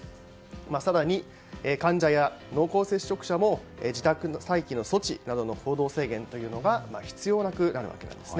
更に、患者や濃厚接触者も自宅待機の措置などの行動制限というのが必要なくなるわけです。